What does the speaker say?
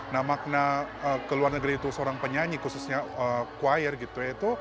nah makna ke luar negeri itu seorang penyanyi khususnya choir gitu